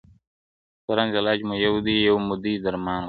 • د رنځ علاج مو یو دی، یو مو دی درمان وطنه -